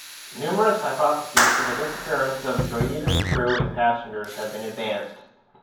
Numerous hypotheses for the disappearance of "Joyita"s crew and passengers have been advanced.